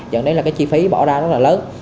dẫn đến là cái chi phí bỏ ra rất là lớn